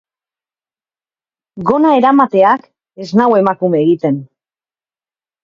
Gona eramateak ez nau emakume egiten.